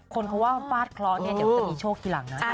คนเขาว่าฟาดคอจะมีโชคทีหลังนะ